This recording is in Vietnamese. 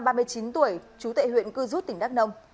nguyễn thị hoa ba mươi chín tuổi trú tại huyện cư rút tỉnh đắk nông